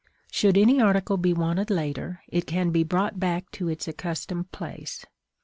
Should any article be wanted later, it can be brought back to its accustomed place.